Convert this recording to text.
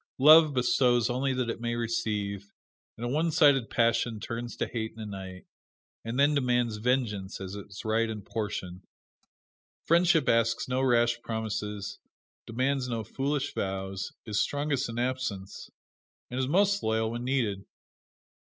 Love bestows only that it may receive, and a one sided passion turns to hate in a night, and then demands vengeance as its right and portion. Friendship asks no rash promises, demands no foolish vows, is strongest in absence, and most loyal when needed.